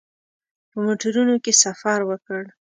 په موټرونو کې سفر وکړ.